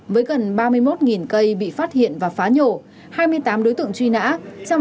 với gần ba mươi một cây bị phát hiện và phá nhổ hai mươi tám đối tượng truy nã